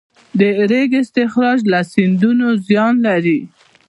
د ریګ استخراج له سیندونو زیان لري؟